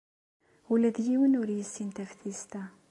Ula d yiwen ur yessin taftist-a.